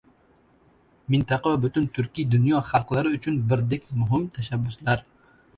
Mintaqa va butun turkiy dunyo xalqlari uchun birdek muhim tashabbuslar...